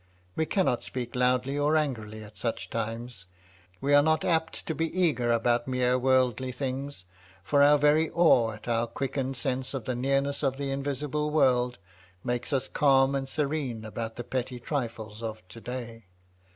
We cannot speak loudly or angrily at such times ; we are not apt to be eager about mere worldly things, for our very awe at our quickened sense of the nearness of the invisible world, makes us calm and serene about the petty trifles of to day.